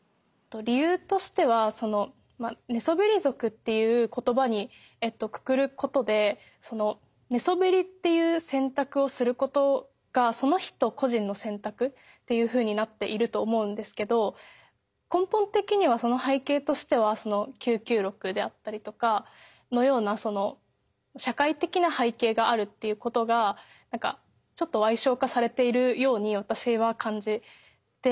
理由としてはその寝そべり族っていう言葉にくくることでその寝そべりっていう選択をすることがその人個人の選択っていうふうになっていると思うんですけど根本的にはその背景としてはその「９９６」であったりとかそのような社会的な背景があるっていうことがちょっと矮小化されているように私は感じて。